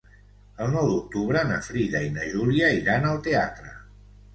El nou d'octubre na Frida i na Júlia iran al teatre.